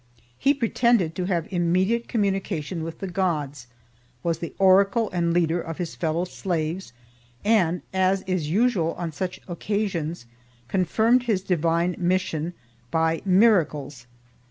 He pretended to have immediate communication with the gods; was the oracle and leader of his fellow slaves; and, as is usual on such occasions confirmed his divine mission by miracles.